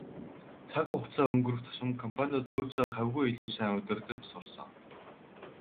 Цаг хугацаа өнгөрөх тусам компаниуд нөөцөө хавьгүй илүү сайн удирдаж сурсан.